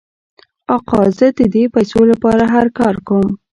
آقا زه د دې پیسو لپاره هر کار کوم.